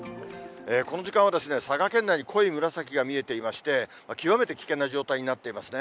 この時間は佐賀県内に濃い紫が見えていまして、極めて危険な状態になっていますね。